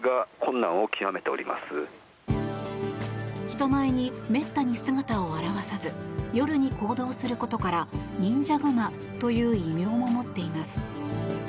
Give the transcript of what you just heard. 人前にめったに姿を現さず夜に行動することから忍者熊という異名も持っています。